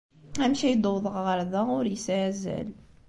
Amek ay d-uwḍeɣ ɣer da ur yesɛi azal.